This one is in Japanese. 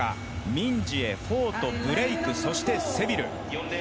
ミンジエ、フォート、ブレイクそしてセビル。